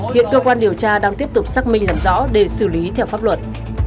hiện cơ quan điều tra đang tiếp tục xác minh làm rõ để xử lý theo pháp luật